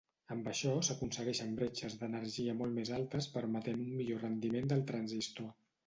Amb això s'aconsegueixen bretxes d'energia molt més altes permetent un millor rendiment del transistor.